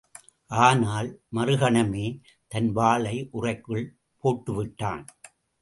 ஆனால், மறுகணமே, தன் வாளை உறைக்குள் போட்டு விட்டான்.